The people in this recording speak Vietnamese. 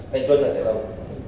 thanh xuân là sẽ sống